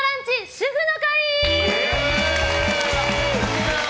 主婦の会！